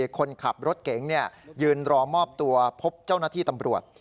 คนขับรถเก๋งยืนรอมอบตัวพบเจ้าหน้าที่ตำรวจ